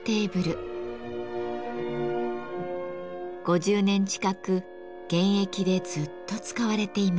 ５０年近く現役でずっと使われています。